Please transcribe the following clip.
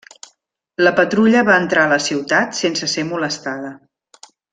La patrulla va entrar a la ciutat sense ser molestada.